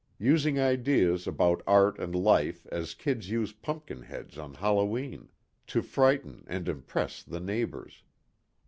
Using ideas about art and life as kids use pumpkin heads on Hallowe'en. To frighten and impress the neighbors.